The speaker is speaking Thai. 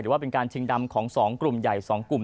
ว่าเป็นการชิงดำของ๒กลุ่มใหญ่๒กลุ่ม